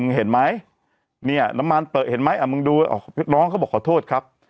เห็นไหมเนี่ยน้ำมันเปิดเห็นไหมอ่ะมึงดูน้องเขาบอกขอโทษครับ